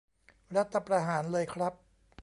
รัฐประหารเลยครับ